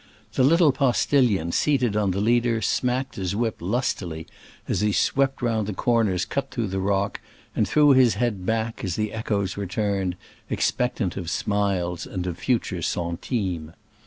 The little postilion seated on the leader smacked his whip lustily as he swept round the corners cut through the rock, and threw his head back as the echoes returned, expectant of smiles and of future centimes.